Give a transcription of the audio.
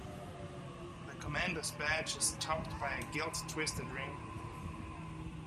The Commander's badge is topped by a gilt twisted ring.